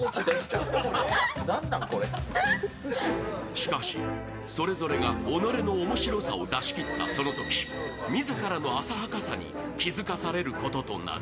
しかし、それぞれが己の面白さを出し切ったそのとき、自らの浅はかさに気づかされることになる。